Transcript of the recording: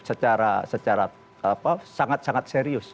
secara sangat sangat serius